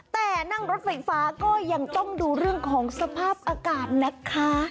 แต่นั่งรถไฟฟ้าก็ยังต้องดูเรื่องของสภาพอากาศนะคะ